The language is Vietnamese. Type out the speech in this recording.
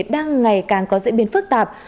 đang ngày càng có diễn biến phức tạp